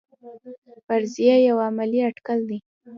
فرضیه یو علمي اټکل دی